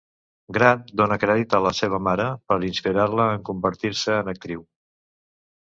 Grant dona crèdit a la seva mare per inspirar-la en convertir-se en actriu.